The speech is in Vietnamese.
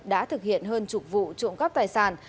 đã thực hiện hơn chục vụ trộm cắp tài sản